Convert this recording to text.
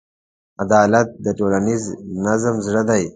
عدالت د ټولنیز نظم زړه دی.